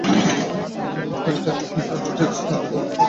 এখানে থাকবে পিঠা, মাটির তৈরি তৈজসপত্র, কাঁথাসহ বেত, পিতল, পাটজাত নানা জিনিস।